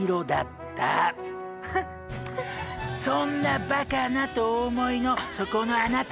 そんなバカな！とお思いのそこのあなた。